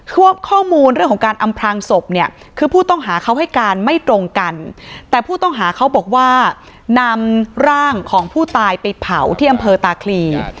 ข้อมูลเรื่องของการอำพลางศพเนี่ยคือผู้ต้องหาเขาให้การไม่ตรงกันแต่ผู้ต้องหาเขาบอกว่านำร่างของผู้ตายไปเผาที่อำเภอตาคลี